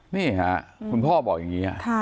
นี่ค่ะคุณพ่อบอกอย่างนี้